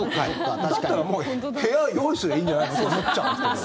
だったらもう部屋用意すればいいんじゃないの？って思っちゃうんですけど。